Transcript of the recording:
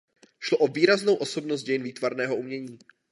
Šlo o výraznou osobnost dějin výtvarného umění.